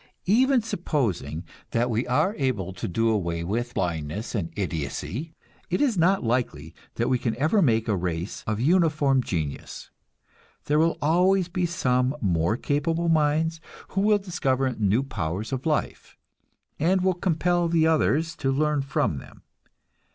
Even supposing that we are able to do away with blindness and idiocy, it is not likely that we can ever make a race of uniform genius. There will always be some more capable minds, who will discover new powers of life, and will compel the others to learn from them.